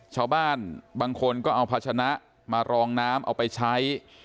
ชาวบ้านบางคนก็เอาภาชนะมารองน้ำเอาไปใช้